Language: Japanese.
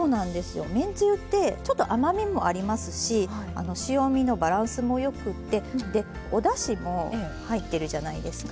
めんつゆってちょっと甘みもありますし塩みのバランスもよくてでおだしも入ってるじゃないですか。